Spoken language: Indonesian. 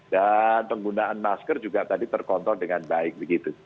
dan penggunaan masker juga tadi terkontrol dengan baik begitu